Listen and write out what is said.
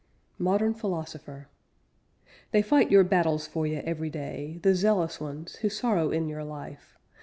H.A. MODERN PHILOSOPHER They fight your battles for you every day, The zealous ones, who sorrow in your life.